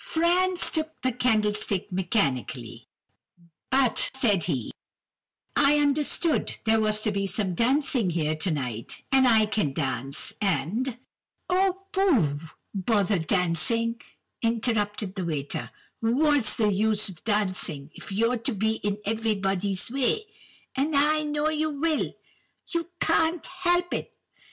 "Franz took the candlestick mechanically, but, said he:— "'I understood there was to be dancing here tonight, and I can dance, and—' "'Oh, pooh! bother dancing,' interrupted the waiter. 'What's the use of dancing, if you're to be in everybody's way, and I know you will; you can't help it.